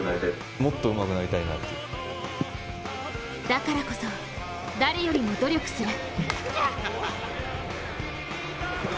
だからこそ、誰よりも努力する。